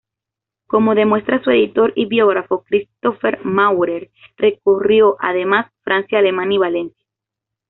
Como demuestra su editor y biógrafo Christopher Maurer, recorrió además Francia, Alemania y Valencia.